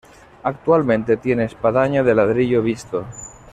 Actualmente tiene espadaña de ladrillo visto.